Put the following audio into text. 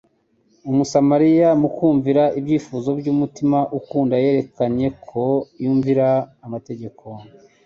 Umusamariya, mu kumvira ibyifuzo by'umutima ukunda yerekanye ko yumvira amategeko.